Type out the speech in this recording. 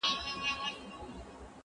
زه پرون د ښوونځي کتابونه مطالعه کوم!!